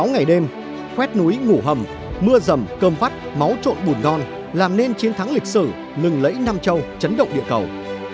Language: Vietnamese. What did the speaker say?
năm mươi sáu ngày đêm khuét núi ngủ hầm mưa rầm cơm vắt máu trộn bùn non làm nên chiến thắng lịch sử ngừng lấy nam châu chấn động địa cầu